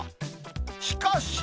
しかし。